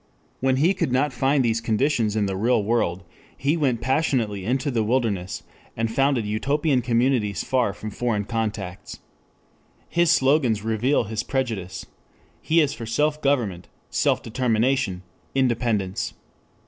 When he could not find these conditions in the real world, he went passionately into the wilderness, and founded Utopian communities far from foreign contacts. His slogans reveal his prejudice. He is for Self Government, Self Determination, Independence.